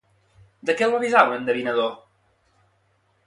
De què el va avisar un endevinador?